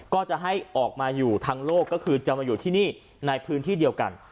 ก็จะให้ออกมาอยู่ทางโลกก็คือจะมาอยู่ที่นี่ในพื้นที่เดียวกัน